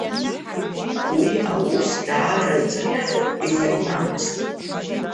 Уи аус даараӡа имариамызт.